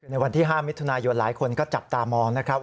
วันที่๕มิถุนายนหลายคนก็จับตามองนะครับ